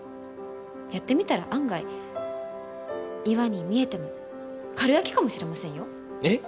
やってみたら案外、岩に見えてもかるやきかもしれませんよ。